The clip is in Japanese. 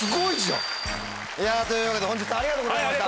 というわけで本日ありがとうございました。